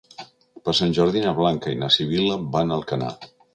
Per Sant Jordi na Blanca i na Sibil·la van a Alcanar.